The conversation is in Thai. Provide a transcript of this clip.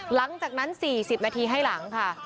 หลังจากนั้น๔๐นาทีให้หลังค่ะ